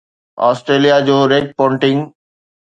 Australia جو Ricky Ponting